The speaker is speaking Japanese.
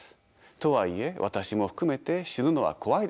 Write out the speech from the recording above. とはいえ私も含めて死ぬのは怖いです。